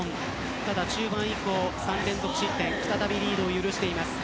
ただ中盤以降、３連続失点再びリードを許しています。